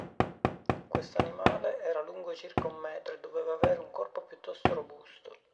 Questo animale era lungo circa un metro e doveva avere un corpo piuttosto robusto.